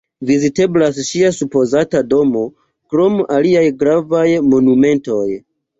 Viziteblas ŝia supozata domo, krom aliaj gravaj monumentoj.